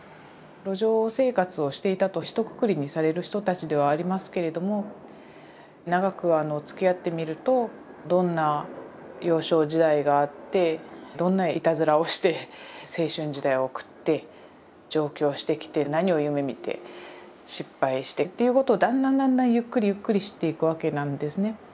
路上生活をしていたとひとくくりにされる人たちではありますけれども長くつきあってみるとどんな幼少時代があってどんないたずらをして青春時代を送って上京してきて何を夢みて失敗してっていうことをだんだんだんだんゆっくりゆっくり知っていくわけなんですね。